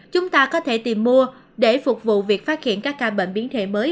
chúng ta có thể tìm mua để phục vụ việc phát hiện các ca bệnh biến thể mới